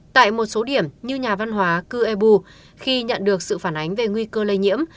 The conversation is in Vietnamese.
tại một số điểm như nhà văn hóa cư ebu khi nhận được sự phản ánh về nguy cơ lây nhiễm